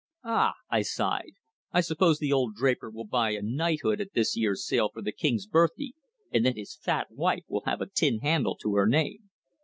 "Ah!" I sighed. "I suppose the old draper will buy a knighthood at this year's sale for the King's Birthday, and then his fat wife will have a tin handle to her name."